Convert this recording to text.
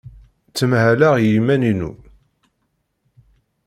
Ttmahaleɣ i yiman-inu.